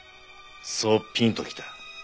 そうピンときた。